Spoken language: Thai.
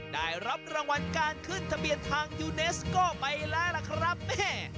ได้รับรางวัลการขึ้นทะเบียนทางยูเนสก็ไปแล้วล่ะครับแม่